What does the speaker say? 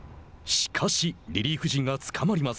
しかしリリーフ陣がつかまります。